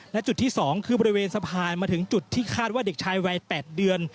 และจุดที่๒คือบริเวณสะพานมาถึงจุดที่คาดว่าเด็กชายวัย๘เดือน